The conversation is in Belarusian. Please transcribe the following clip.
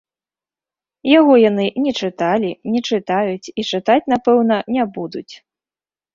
Яго яны не чыталі, не чытаюць і чытаць, напэўна, не будуць.